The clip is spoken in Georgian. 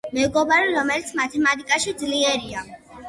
მეგობარი რომელიც მათემატიკაში ძლიერია.